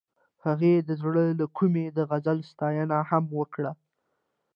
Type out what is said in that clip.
هغې د زړه له کومې د غزل ستاینه هم وکړه.